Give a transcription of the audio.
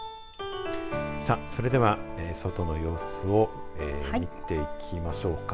さあ、それでは外の様子を見ていきましょうか。